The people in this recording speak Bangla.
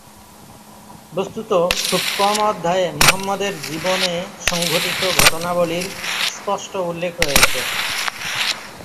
বস্তুত, খুব কম অধ্যায়ে মুহাম্মদের জীবনে সংঘটিত ঘটনাবলীর স্পষ্ট উল্লেখ রয়েছে।